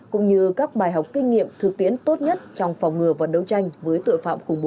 cũng như các bài học kinh nghiệm thực tiễn tốt nhất trong phòng ngừa và đấu tranh với tội phạm khủng bố